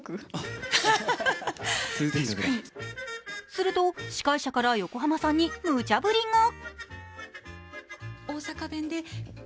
すると司会者から横浜さんにむちゃぶりが。